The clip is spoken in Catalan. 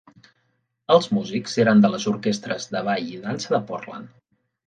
Els músics eren de les orquestres de ball i dansa de Portland.